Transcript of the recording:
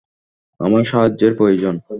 আমার সাহায্যের প্রয়োজন।